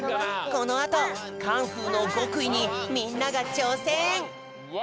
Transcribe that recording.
このあとカンフーのごくいにみんながちょうせん！